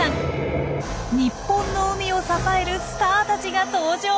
日本の海を支えるスターたちが登場。